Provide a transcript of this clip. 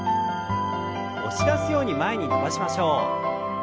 押し出すように前に伸ばしましょう。